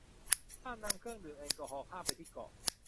ห้ามนำเครื่องดื่มแอลกอฮอล์ข้ามไปที่เกาะ